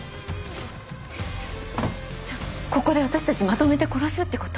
じゃじゃあここで私たちまとめて殺すってこと？